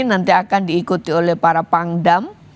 nanti akan diikuti oleh para pangdam